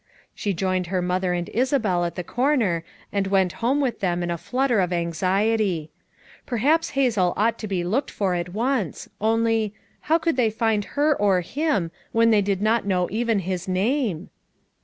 She joined her mother and Isabel at the corner and went home with them in a flutter of anxiety. Per haps Hazel ought to be looked for at once; only— how could they find her, or him, when they did not know even his name?